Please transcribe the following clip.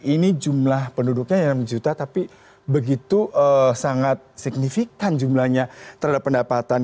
ini jumlah penduduknya enam juta tapi begitu sangat signifikan jumlahnya terhadap pendapatan